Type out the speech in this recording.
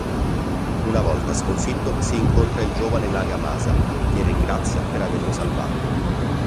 Una volta sconfitto, si incontra il giovane Nagamasa che ringrazia per averlo salvato.